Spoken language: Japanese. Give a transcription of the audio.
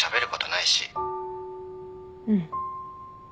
うん。